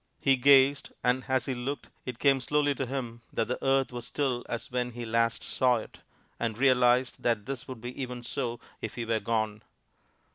He gazed, and as he looked it came slowly to him that the earth was still as when he last saw it, and realized that this would be so even if he were gone.